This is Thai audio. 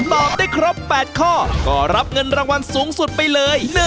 ตอบได้ครบ๘ข้อก็รับเงินรางวัลสูงสุดไปเลย